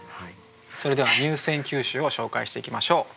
それでは入選九首を紹介していきましょう。